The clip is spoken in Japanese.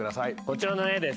こちらの絵です。